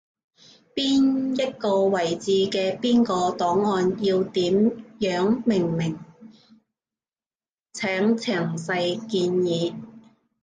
邊一個位置嘅邊個檔案要點樣命名，請詳細建議